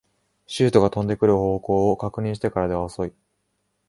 シュートが飛んでくる方向を確認してからでは遅い